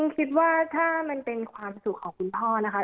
คิดว่าถ้ามันเป็นความสุขของคุณพ่อนะคะ